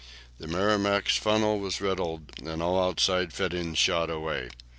The "Merrimac's" funnel was riddled, and all outside fittings shot away.